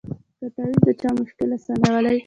که تعویذ د چا مشکل آسانولای